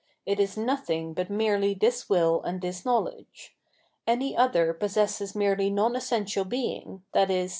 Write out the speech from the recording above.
It is nothing but merely this will and this knowledge. Any other possesses merely non essential being, i.e.